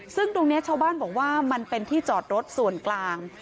ซึ่งตรงนี้ชาวบ้านบอกว่ามันเป็นที่จอดรถส่วนกลาง